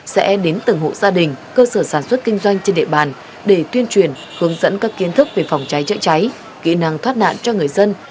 sẽ đến từng hộ gia đình cơ sở sản xuất kinh doanh trên địa bàn để tuyên truyền hướng dẫn các kiến thức về phòng cháy chữa cháy kỹ năng thoát nạn cho người dân